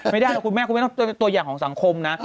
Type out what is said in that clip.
ไม่ได้หรอกคุณแม่คุณแม่ต้องเป็นตัวอย่างของสังคมนะ